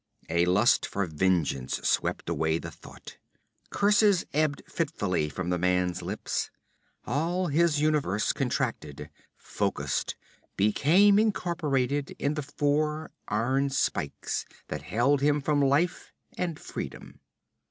A red lust for vengeance swept away the thought. Curses ebbed fitfully from the man's lips. All his universe contracted, focused, became incorporated in the four iron spikes that held him from life and freedom.